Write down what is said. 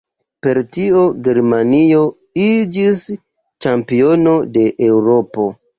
Per tio Germanio iĝis ĉampiono de Eŭropo.